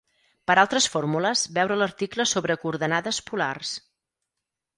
Per altres fórmules, veure l'article sobre coordenades polars.